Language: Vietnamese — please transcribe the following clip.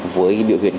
với biểu hiện